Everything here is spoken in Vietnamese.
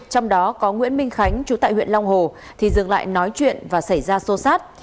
trong đó có nguyễn minh khánh chú tại huyện long hồ thì dừng lại nói chuyện và xảy ra xô xát